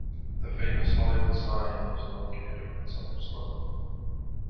The famous Hollywood Sign is located on its southern slope.